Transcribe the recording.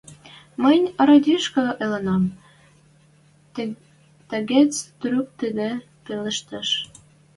— Мӹнь ородишкӓ ылынам, — тагыце трӱк тӹдӹ пелештӹш.